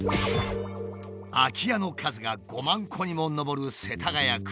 空き家の数が５万戸にも上る世田谷区。